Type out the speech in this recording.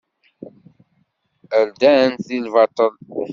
Rdan-t di lbaṭel.